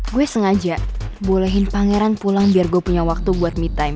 gue sengaja bolehin pangeran pulang biar gue punya waktu buat me time